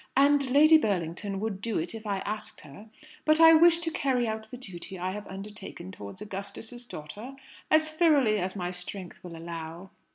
"And Lady Burlington would do it if I asked her. But I wish to carry out the duty I have undertaken towards Augustus's daughter, as thoroughly as my strength will allow.